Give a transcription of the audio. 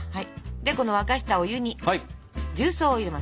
でこの沸かしたお湯に重曹を入れます。